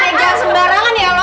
enggak sembarangan ya lo